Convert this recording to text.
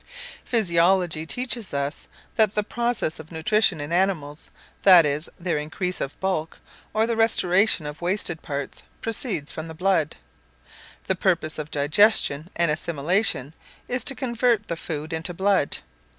Physiology teaches us, that the process of nutrition in animals, that is, their increase of bulk, or the restoration of wasted parts, proceeds from the blood. The purpose of digestion and assimilation is to convert the food into blood.